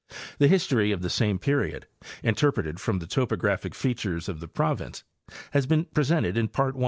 The history of the same period, interpreted from the topographic features of the province, has been presented in Part I.